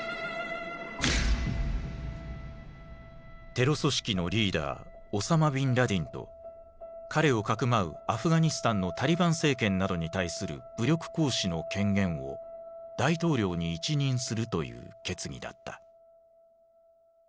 テロ組織のリーダーオサマ・ビンラディンと彼をかくまうアフガニスタンのタリバン政権などに対する武力行使の権限を大統領に一任するという決議だった。